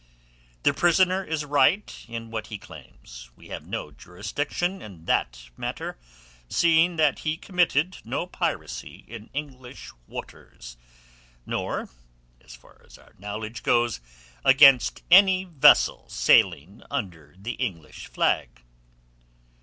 "The prisoner is right in what he claims. We have no jurisdiction in that matter, seeing that he committed no piracy in English waters, nor—so far as our knowledge goes—against any vessel sailing under the English flag."